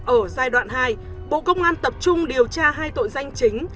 ở giai đoạn hai bộ công an tập trung điều tra hai tội danh chính